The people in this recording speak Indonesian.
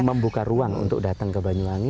membuka ruang untuk datang ke banyuwangi